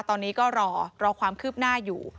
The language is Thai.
ตอนนี้ก็รอรอความคืบหน้าอยู่